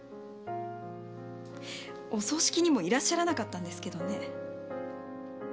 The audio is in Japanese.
お葬式にもいらっしゃらなかったんですけどね。